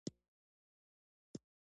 ولایتونه د افغانستان د سیلګرۍ یوه برخه ده.